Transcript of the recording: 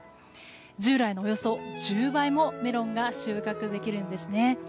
従来のおよそ１０倍もメロンが収穫できるんですね。